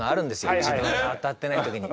自分が当たってないときに。